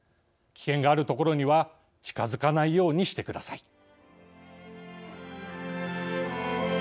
危険がある所には近づかないようにしてください。